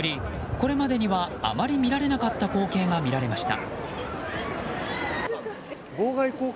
これまでにはあまり見られなかった光景が見られました。